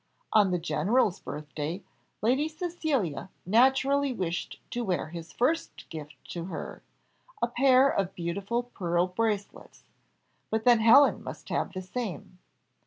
On the general's birthday, Lady Cecilia naturally wished to wear his first gift to her a pair of beautiful pearl bracelets, but then Helen must have the same.